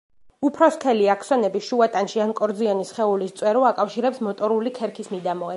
უფრო სქელი აქსონები, შუა ტანში, ან კორძიანი სხეულის წვერო, აკავშირებს მოტორული ქერქის მიდამოებს.